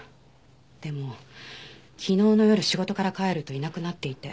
でも昨日の夜仕事から帰るといなくなっていて。